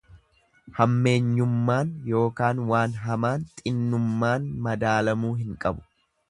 Hammeenyummaan ykn waan hamaan xinnummaan madaalamuu hin qabu.